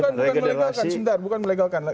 bukan melegalkan sebentar bukan melegalkan lagi